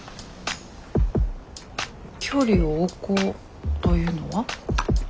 距離を置こうというのは？